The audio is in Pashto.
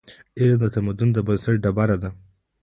علم د تمدنونو د بنسټ ډبره ده.